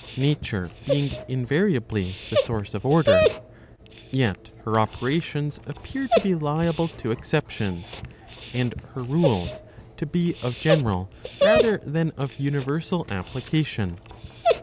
Nature being invariably the source of order,' yet her operations appear to be liable to exceptions, and her rules to be of general rather than of universal application.